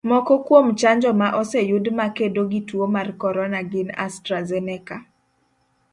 Moko kuom chanjo ma oseyud ma kedo gi tuo mar corona gin Astrazeneca,